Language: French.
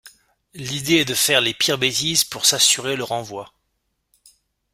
L'idée est de faire les pires bêtises pour s'assurer le renvoi.